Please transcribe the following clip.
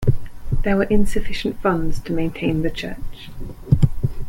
There were insufficient funds to maintain the church.